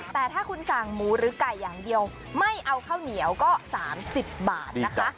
แต่ถ้าคุณสั่งหมูหรือไก่อย่างเดียวไม่เอาข้าวเหนียวก็๓๐บาทนะคะ